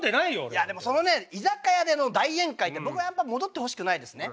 いやでもそのね居酒屋での大宴会って僕はやっぱ戻ってほしくないですね。